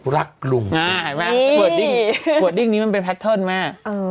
เวอร์ดดิ้งนี้มันเป็นแพตเทิร์นแม่